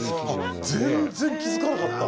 全然気付かなかった。